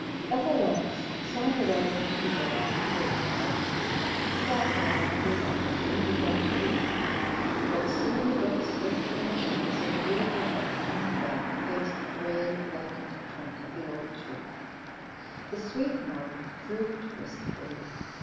Ethel Lennox sauntered out into the orchard to wait for Agnes. She sat down under an apple tree and began to read, but soon the book slipped from her hands and the beautiful head leaned back against the grey, lichened trunk of the old tree. The sweet mouth drooped wistfully.